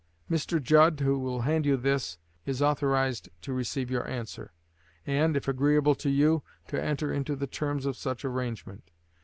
Mr. Judd, who will hand you this, is authorized to receive your answer, and, if agreeable to you, to enter into the terms of such arrangement.